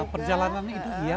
perjalanan itu iya